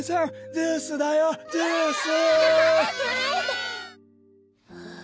ジュースだよジュース！はあ。